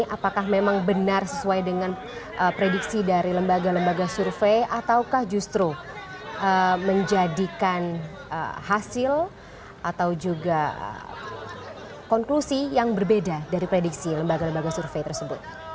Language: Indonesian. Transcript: apakah memang benar sesuai dengan prediksi dari lembaga lembaga survei ataukah justru menjadikan hasil atau juga konklusi yang berbeda dari prediksi lembaga lembaga survei tersebut